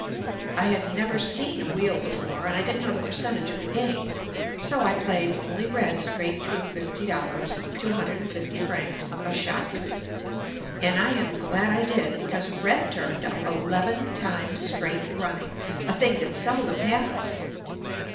I had never seen a wheel before and I didn't know the percentage of the game, so I played only "red" straight through fifty dollars (two hundred and fifty francs) a shot, and I am glad I did, because red turned up eleven times straight running, a thing that sel dom happens.